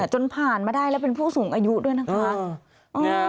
จนผ่านมาได้แล้วเป็นผู้สูงอายุด้วยนะคะ